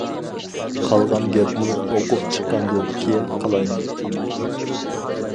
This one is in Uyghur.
قالغان گەپنى ئۇقۇپ چىققاندىن كىيىن قىلاي.